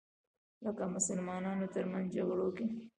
لکه مسلمانانو تر منځ جګړو کې